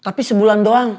tapi sebulan doang